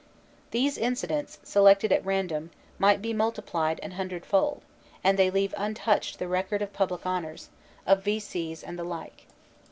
These incidents, selected at random, might be multiplied an hundredfold, and they leave untouched the record of public honors, of V.C. s and the like.